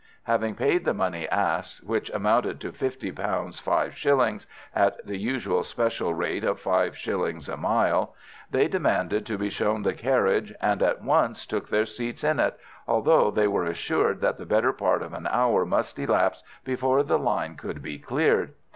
Having paid the money asked, which amounted to fifty pounds five shillings, at the usual special rate of five shillings a mile, they demanded to be shown the carriage, and at once took their seats in it, although they were assured that the better part of an hour must elapse before the line could be cleared.